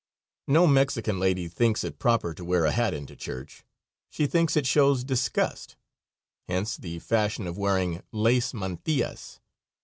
No Mexican lady thinks it proper to wear a hat into church. She thinks it shows disgust; hence the fashion of wearing lace mantillas.